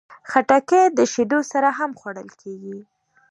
خټکی د شیدو سره هم خوړل کېږي.